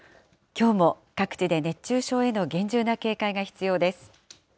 きょうも各地で熱中症への厳重な警戒が必要です。